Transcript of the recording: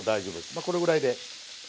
まあこのぐらいで。